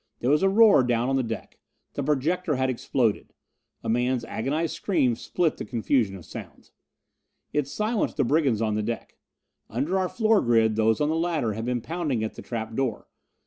There was a roar down on the deck. The projector had exploded. A man's agonized scream split the confusion of sounds. It silenced the brigands on the deck. Under our floor grid those on the ladder had been pounding at the trap door.